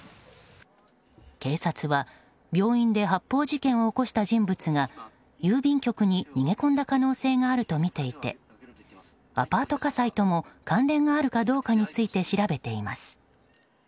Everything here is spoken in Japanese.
警察は病院で発砲事件を起こした人物が郵便局に逃げ込んだ可能性があるとみていてアパート火災とも関連があるかどうかについて調べています。